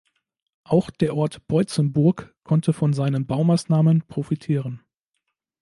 Auch der Ort Boitzenburg konnte von seinen Baumaßnahmen profitieren.